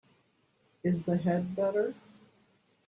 Is the head better?